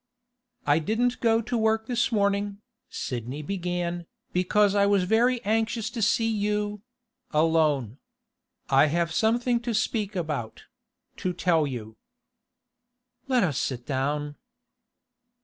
'I didn't go to work this morning,' Sidney began, 'because I was very anxious to see you—alone. I have something to speak about—to tell you.' 'Let us sit down.